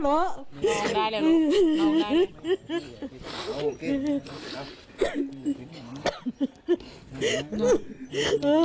ถ้าหนูทำแบบนั้นพ่อจะไม่มีรับบายเจ้าให้หนูได้เอง